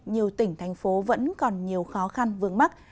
nhiều tỉnh thành phố vẫn còn nhiều khó khăn vương mắc